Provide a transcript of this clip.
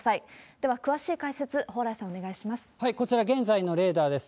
では、詳しい解説、蓬莱さん、お願いします。